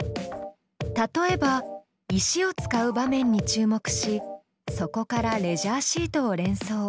例えば石を使う場面に注目しそこからレジャーシートを連想。